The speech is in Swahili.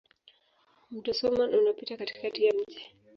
Mto Soummam unapita katikati ya mji.